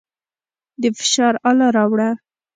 د فشار اله راوړه.